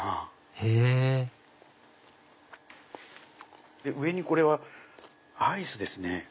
へぇ上にこれはアイスですね